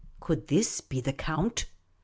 Could this be the Count ?